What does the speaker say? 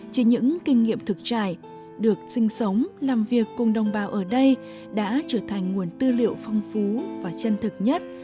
chỉ những kinh nghiệm thực trải được sinh sống làm việc cùng đồng bào ở đây đã trở thành nguồn tư liệu phong phú và chân thực nhất